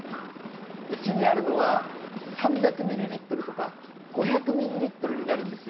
うちにあるのは３００ミリリットルとか５００ミリリットルになるんですよ。